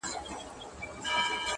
باروتي زلفو دې دومره راگير کړی-